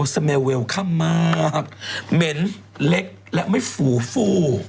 สเมลเวลค่ำมากเหม็นเล็กและไม่ฝูฟู